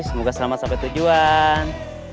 semoga selamat sampai tujuan